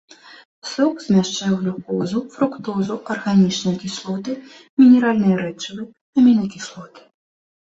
Сок змяшчае глюкозу, фруктозу, арганічныя кіслоты, мінеральныя рэчывы, амінакіслоты.